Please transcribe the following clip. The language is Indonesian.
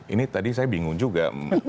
ini tadi saya bingung juga